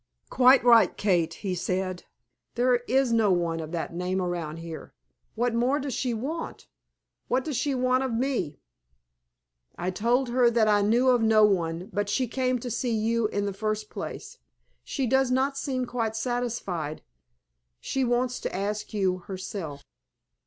"Quite right, Kate," he said. "There is no one of that name around here. What more does she want? What does she want of me?" "I told her that I knew of no one, but she came to see you in the first place. She does not seem quite satisfied. She wants to ask you herself."